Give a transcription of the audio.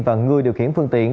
và người điều khiển phương tiện